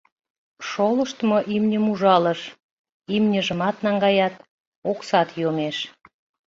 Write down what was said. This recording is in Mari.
Шолыштмо имньым ужалыш — имньыжымат наҥгаят, оксат йомеш.